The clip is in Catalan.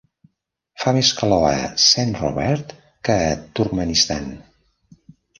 fa més calor a Saint Robert que a Turkmenistan